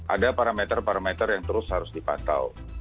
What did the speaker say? ada parameter parameter yang terus harus dipantau